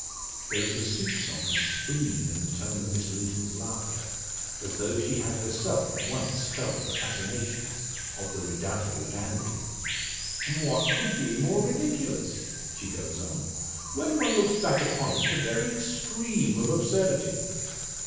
There is a soupcon of spleen in the tone of Miss Linton's laughter, as though she had herself once felt the fascinations of the redoubtable dandy. "What could be more ridiculous?" she goes on. "When one looks back upon it, the very extreme of absurdity.